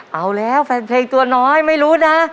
เอาแล้วแฟนเพลงตัวน้อยไม่รู้นะ